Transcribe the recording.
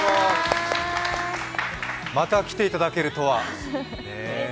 また来ていただけるとは。